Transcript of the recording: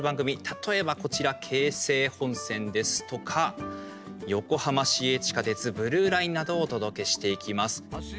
例えば、こちら京成本線ですとか横浜市営地下鉄ブルーラインなどをお届けしていきます。